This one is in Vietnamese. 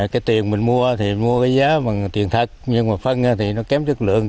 cái tiền mình mua thì mua cái giá bằng tiền thật nhưng mà phân thì nó kém chất lượng